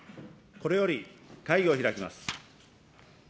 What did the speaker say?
これより会議を開きます。